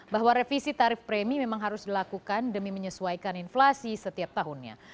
bahwa revisi tarif premi memang harus dilakukan demi menyesuaikan inflasi setiap tahunnya